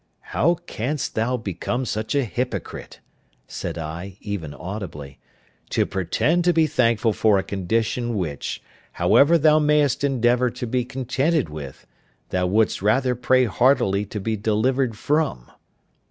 "How canst thou become such a hypocrite," said I, even audibly, "to pretend to be thankful for a condition which, however thou mayest endeavour to be contented with, thou wouldst rather pray heartily to be delivered from?"